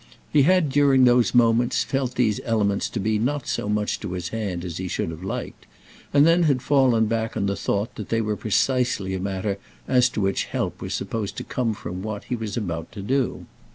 He had during those moments felt these elements to be not so much to his hand as he should have liked, and then had fallen back on the thought that they were precisely a matter as to which help was supposed to come from what he was about to do.